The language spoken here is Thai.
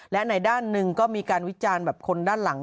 และในด้านหนึ่งก็มีการวิจารณ์แบบคนด้านหลัง